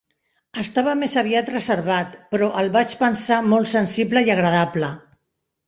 Estava més aviat reservat, però el vaig pensar molt sensible i agradable.